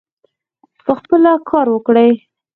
پخپله کار وکړي.